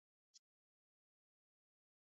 خپله یوه خور یې ورته په نکاح کړه.